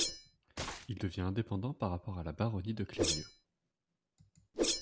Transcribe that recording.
Il devient indépendant par rapport à la baronnie de Clérieux.